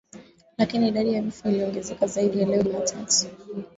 Lakini idadi ya vifo iliongezeka zaidi leo Jumatatu.